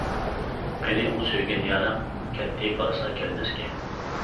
قېنى ئۇ سۆيگەن يارىڭ؟ كەتتى بارسا كەلمەسكە.